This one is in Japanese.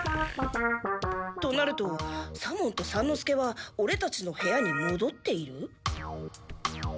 となると左門と三之助はオレたちの部屋にもどっている？